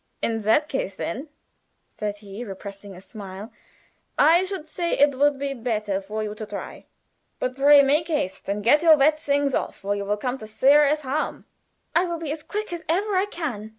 "In that case then," said he, repressing a smile, "I should say it would be better for you to try. But pray make haste and get your wet things off, or you will come to serious harm." "I will be as quick as ever I can."